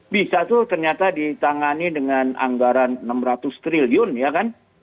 bisa tuh ternyata ditangani dengan anggaran rp enam ratus triliun ya kan